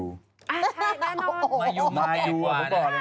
อ่ะใช่แน่นอน